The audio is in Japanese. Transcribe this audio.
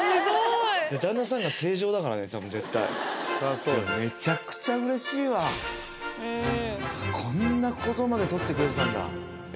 旦那さんが正常だからね多分絶対でもめちゃくちゃ嬉しいわこんなことまで取ってくれてたんだ